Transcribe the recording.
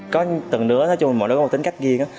có từng đứa nói chung là mọi đứa có tính cách ghiêng